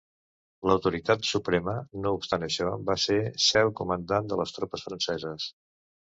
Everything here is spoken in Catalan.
L'autoritat suprema, no obstant això, va ser cel comandant de les tropes franceses.